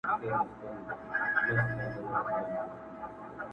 دا پېودلي دي جانان راته د خپل غاړي له هاره.